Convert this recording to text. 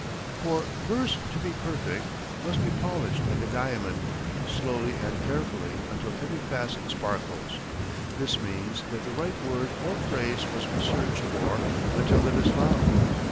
For verse, to be perfect, must be polished like a diamond, slowly and carefully, until every facet sparkles. This means that the right word or phrase must be searched for until it is found.